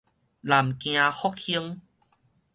南京復興